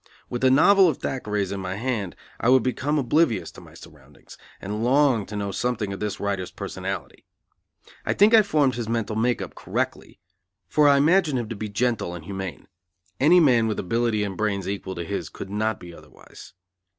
With a novel of Thackeray's in my hand I would become oblivious to my surroundings, and long to know something of this writers personality. I think I formed his mental make up correctly, for I imagined him to be gentle and humane. Any man with ability and brains equal to his could not be otherwise.